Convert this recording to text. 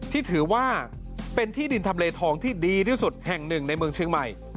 ที่ถือว่าเป็นที่ดินทำเลทองที่ดีที่สุดแห่งหนึ่งในเมืองเชียงใหม่